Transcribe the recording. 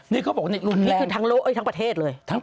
นี่เขาบอกว่านี่คือทั้งโลกเอ้ยทั้งประเทศเลย